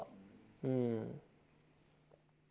うん。